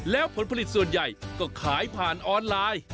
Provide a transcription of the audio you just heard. แล้วผลผลิตส่วนใหญ่ก็ขายผ่านออนไลน์